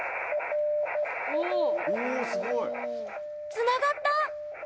つながった！